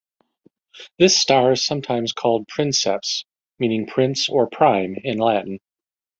This star is sometimes called Princeps, meaning "prince" or "prime" in Latin.